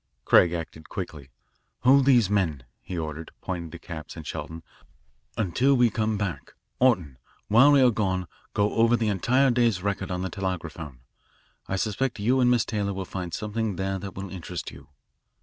Craig acted quickly. "Hold these men," he ordered, pointing to Capps and Shelton, "until we come back. Orton, while we are gone, go over the entire day's record on the telegraphone. I suspect you and Miss Taylor will find something there that will interest you."